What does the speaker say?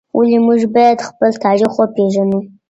ولي موږ باید خپل تاریخ وپېژنو؟